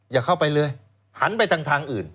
อย่าเข้าไปเลยหันไปทางอื่น